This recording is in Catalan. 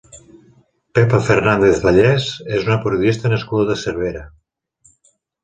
Pepa Fernández Vallés és una periodista nascuda a Cervera.